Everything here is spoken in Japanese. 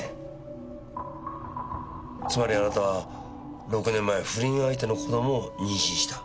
つまりあなたは６年前不倫相手の子供を妊娠した。